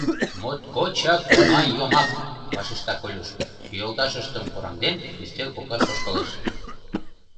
Моткочак оҥай йомак! — вашешта Колюш, йолташыштым кораҥден, ӱстел коклаш ошкылеш.